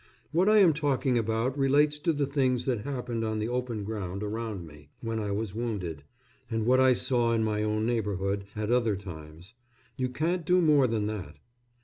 What I am talking about relates to the things that happened on the open ground around me when I was wounded, and what I saw in my own neighbourhood at other times. You can't do more than that.